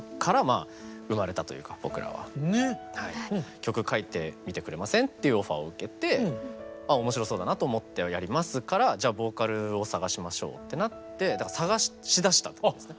「曲書いてみてくれません？」っていうオファーを受けて面白そうだなと思ってやりますからじゃあボーカルを探しましょうってなって探しだしたってことですね。